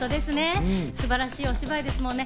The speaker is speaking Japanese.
素晴らしいお芝居ですからね。